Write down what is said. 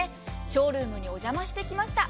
ショールームにお邪魔してきました。